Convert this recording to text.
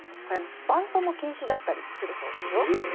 バントも禁止だったりするそうですよ。